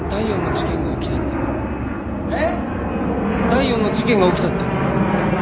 第四の事件が起きたって。